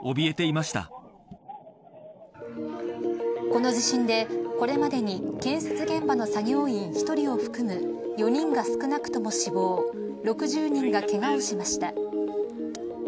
この地震で、これまでに建設現場の作業員１人を含む４人が少なくとも死亡６０人がけがをしました。